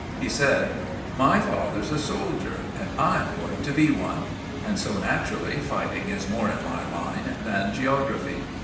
He said— "My father's a soldier, and I'm going to be one; and so, naturally, fighting is more in my line than geography."